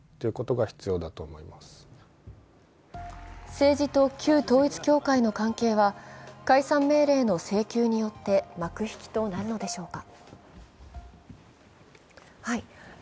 政治と旧統一教会の関係は解散命令の請求によって幕引きとなるのでしょうか。